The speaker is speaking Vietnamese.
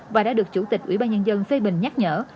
và đã được chủ tịch ủy ban nhân dân phê bình nhắc nhở